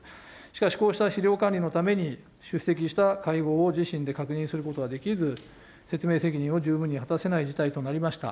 しかしこうした資料管理のために、出席した会合を自身で確認することができず、説明責任を十分に果たせない事態となりました。